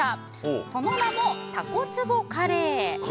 その名も、たこ壺カレー。